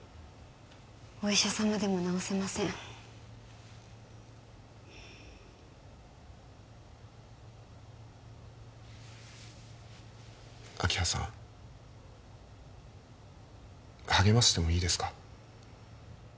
お医者様でも治せません明葉さん励ましてもいいですか？